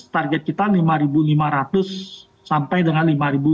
target kita lima lima ratus sampai dengan lima lima ratus